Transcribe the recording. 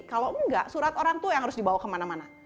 kalau enggak surat orang tua yang harus dibawa kemana mana